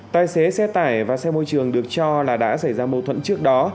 tài xế xe tải và xe môi trường được cho là đã xảy ra mâu thuẫn trước đó